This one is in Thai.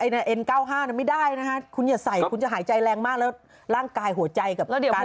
แล้วเดี๋ยวเขาวิ่งออกกำลังกายหนัก